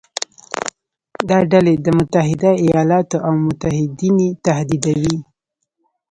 دا ډلې د متحده ایالاتو او متحدین یې تهدیدوي.